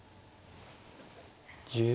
１０秒。